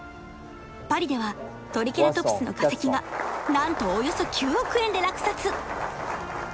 パリではトリケラトプスの化石が何とおよそ９億円で落札